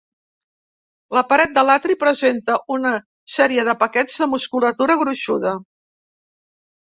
La paret de l'atri presenta una sèrie de paquets de musculatura gruixuda.